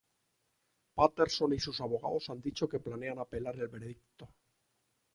Patterson y sus abogados han dicho que planean apelar el veredicto.